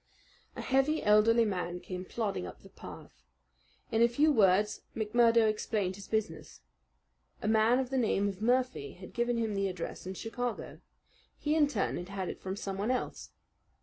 A heavy, elderly man came plodding up the path. In a few words McMurdo explained his business. A man of the name of Murphy had given him the address in Chicago. He in turn had had it from someone else.